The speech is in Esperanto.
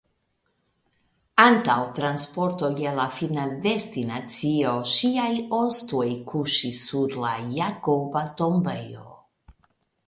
Antaŭ transporto je la fina destinacio ŝiaj ostoj kuŝis sur la Jakoba tombejo.